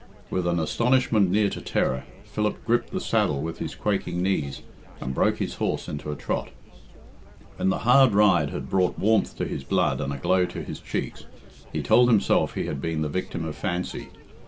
With an astonishment near to terror, Philip gripped the saddle with his quaking knees, and broke his horse into a trot. When the hard ride had brought warmth to his blood and a glow to his cheeks, he told himself he had been the victim of fancy.